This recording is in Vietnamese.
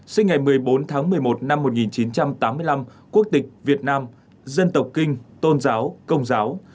sinh ngày một mươi bốn tháng một mươi một năm một nghìn chín trăm tám mươi năm quốc tịch việt nam dân tộc kinh tôn giáo công giáo